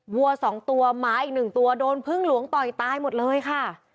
วัวสองตัวหมาอีกหนึ่งตัวโดนพึ่งหลวงต่อยตายหมดเลยค่ะ